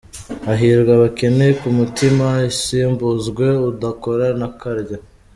Hahirwa abakene ku mutima’ isimbuzwe ‘udakora ntakarye’.